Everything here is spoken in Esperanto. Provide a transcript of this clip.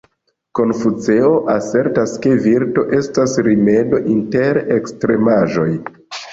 Konfuceo asertas ke virto estas rimedo inter ekstremaĵoj.